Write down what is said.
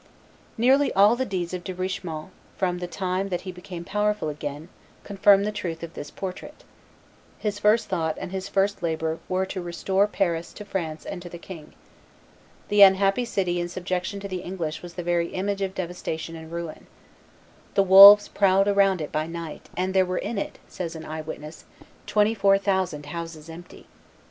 Nearly all the deeds of Richemont, from the time that he became powerful again, confirm the truth of this portrait. His first thought and his first labor were to restore Paris to France and to the king. The unhappy city in subjection to the English was the very image of devastation and ruin. "The wolves prowled about it by night, and there were in it," says an eye witness, "twenty four thousand houses empty."